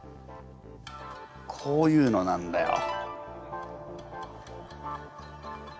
こういうのなんだよ。